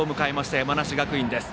山梨学院です。